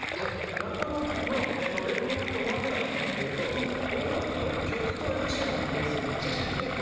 落語の演目と枕の関係と音楽の曲とＭＣの関係性ってめちゃくちゃ似てて。